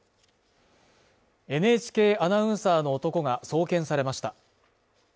ＮＨＫアナウンサーの男が送検されました。